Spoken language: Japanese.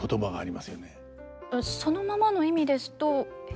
そのままの意味ですと下手な。